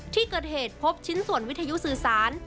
ที่เกิดเหตุพบชิ้นส่วนวิทยุสื่อสาร